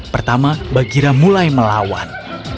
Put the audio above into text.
pertama bagheera mulai melawan